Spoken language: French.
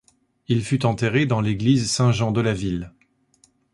Il fut enterré dans l’église Saint-Jean de la ville.